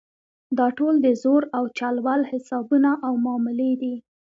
دا ټول د زور او چل ول حسابونه او معاملې دي.